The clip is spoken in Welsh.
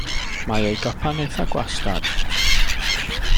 Mae ei gopa'n eitha gwastad.